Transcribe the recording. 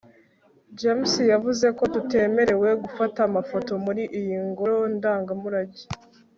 james yavuze ko tutemerewe gufata amafoto muri iyi ngoro ndangamurage